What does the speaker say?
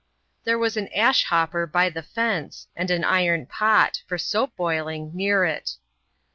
There was an ash hopper by the fence, and an iron pot, for soft soap boiling, near it.